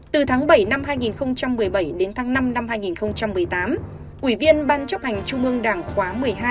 từ tháng bảy năm hai nghìn một mươi bảy đến tháng năm năm hai nghìn một mươi tám ủy viên ban chấp hành trung ương đảng khóa một mươi hai